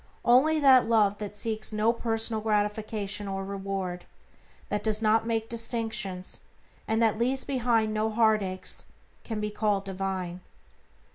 Only that Love that seeks no personal gratification or reward, that does not make distinctions, and that leaves behind no heartaches, can be called divine.